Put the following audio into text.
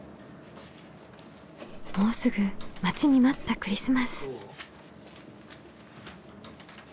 もうすぐ待ちに待ったクリスマス。